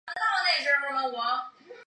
半吸血鬼拥有与吸血鬼相似的力量。